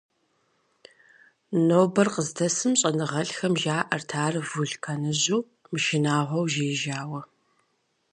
Нобэр къыздэсым щӏэныгъэлӏхэм жаӏэрт ар вулканыжьу, мышынагъуэу, «жеижауэ».